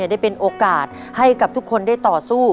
ได้เป็นโอกาสให้กับทุกคนได้ต่อสู้